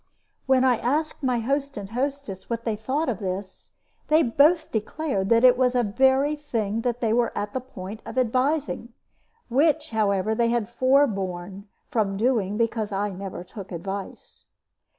When I asked my host and hostess what they thought of this, they both declared that it was the very thing they were at the point of advising, which, however, they had forborne from doing because I never took advice.